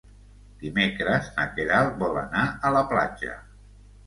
Dimecres na Queralt vol anar a la platja.